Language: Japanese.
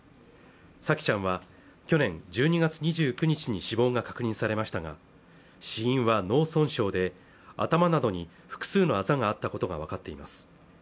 沙季ちゃんは去年１２月２９日に死亡が確認されましたが死因は脳損傷で頭などに複数のあざがあったことがわかっています